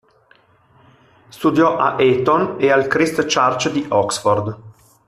Studiò a Eton e al Christ Church di Oxford.